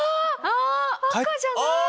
赤じゃない！